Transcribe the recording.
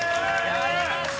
やりました